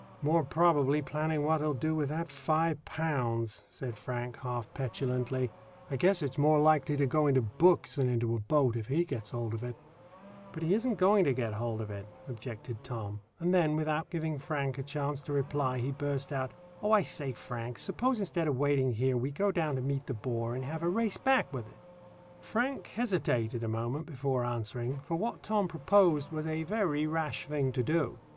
"More probably planning what he'll do with that five pounds," said Frank, half petulantly. "I guess it's more likely to go into books than into a boat if he gets hold of it." "But he isn't going to get hold of it," objected Tom; and then, without giving Frank a chance to reply, he burst out, "Oh, I say, Frank, suppose instead of waiting here we go down to meet the bore and have a race back with it." [Illustration: "THEY SAW THEIR COMPANION EMBEDDED NEARLY TO THE WAIST IN A QUICKSAND."] Frank hesitated a moment before answering, for what Tom proposed was a very rash thing to do.